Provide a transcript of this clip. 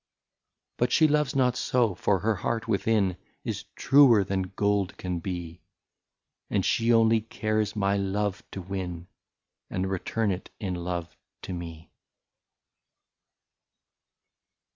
*' But she loves not so, for her heart within Is truer than gold can be. And she only cares my love to win, And return it in love to me.